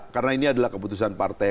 karena ini adalah keputusan partai